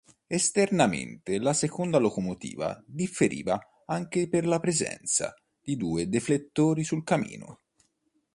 Esternamente la seconda locomotiva differiva anche per la presenza di due deflettori sul camino.